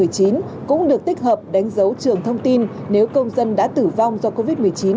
cũng được tích hợp đánh dấu trường thông tin nếu công dân đã tử vong do covid một mươi chín